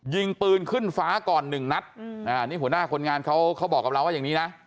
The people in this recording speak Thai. ยิงปืนขึ้นฟ้าก่อนหนึ่งนัดอืมอ่านี่หัวหน้าคนงานเขาเขาบอกกับเราว่าอย่างนี้นะ